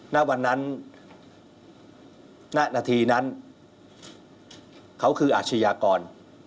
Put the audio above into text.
ณวันนั้นณนาทีนั้นเขาคืออาชญากร